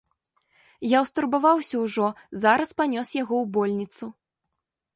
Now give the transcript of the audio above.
Я ўстурбаваўся ўжо, зараз панёс яго ў больніцу.